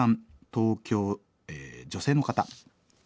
東京女性の方。